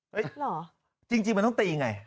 เหรอจริงมันต้องตีไง